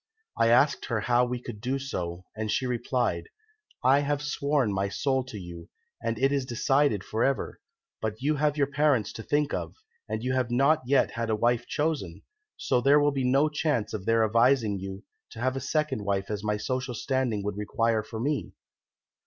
I asked her how we could do so, and she replied, 'I have sworn my soul to you, and it is decided for ever, but you have your parents to think of, and you have not yet had a wife chosen, so there will be no chance of their advising you to have a second wife as my social standing would require for me.